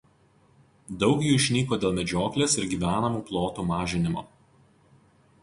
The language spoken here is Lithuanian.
Daug jų išnyko dėl medžioklės ir gyvenamų plotų mažinimo.